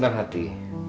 ini adalah aspirotik